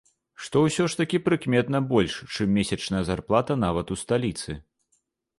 Што ўсё ж такі прыкметна больш, чым месячная зарплата нават у сталіцы.